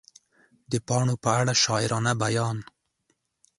د پاڼو په اړه شاعرانه بیان